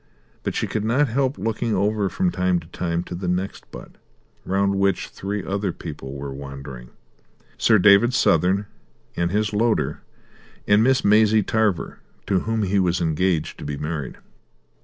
But she could not help looking over from time to time to the next butt, round which three other people were wandering: Sir David Southern, and his loader, and Miss Maisie Tarver, to whom he was engaged to be married.